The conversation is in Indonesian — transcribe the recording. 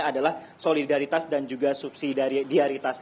adalah solidaritas dan juga subsidiaritas